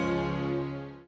ya ibu selamat ya bud